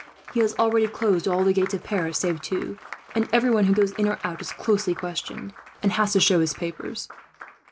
He has already closed all the gates of Paris save two, and everyone who goes in or out is closely questioned, and has to show his papers."